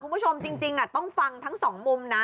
คุณผู้ชมจริงต้องฟังทั้งสองมุมนะ